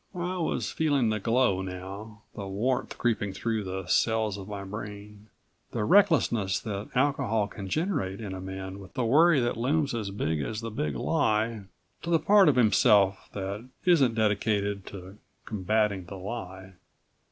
I was feeling the glow now, the warmth creeping through the cells of my brain, the recklessness that alcohol can generate in a man with a worry that looms as big as the Big Lie, to the part of himself that isn't dedicated to combating the Lie.